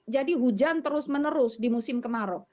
jadi hujan terus menerus di musim kemarau